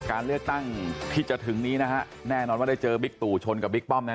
การเลือกตั้งที่จะถึงนี้นะฮะแน่นอนว่าได้เจอบิ๊กตู่ชนกับบิ๊กป้อมแน